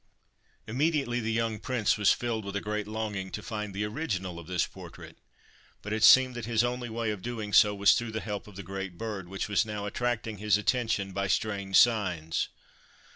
Immediately the young Prince was filled with a great longing to find the original of this portrait, but it seemed that his only way of doing so was through the help of the great bird, which was now attracting his attention by strange signs.